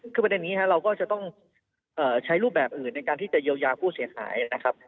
คือประเด็นนี้เราก็จะต้องใช้รูปแบบอื่นในการที่จะเยียวยาผู้เสียหายนะครับ